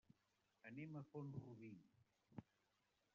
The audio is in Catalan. Anem a Font-rubí.